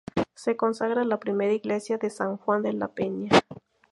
Se consagra la primera iglesia de San Juan de la Peña.